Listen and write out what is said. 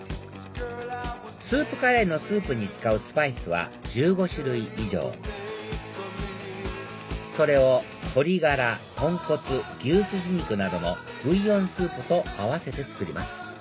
スープカレーのスープに使うスパイスは１５種類以上それを鶏ガラ豚骨牛スジ肉などのブイヨンスープと合わせて作ります